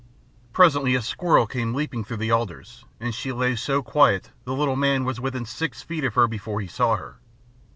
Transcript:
Presently a squirrel came leaping through the alders, and she lay so quiet the little man was within six feet of her before he saw her.